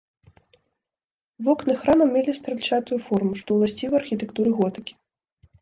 Вокны храма мелі стральчатую форму, што ўласціва архітэктуры готыкі.